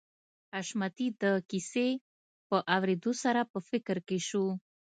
حشمتي د کيسې په اورېدو سره په فکر کې شو